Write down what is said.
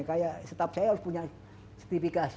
kayak staf saya harus punya setifikasi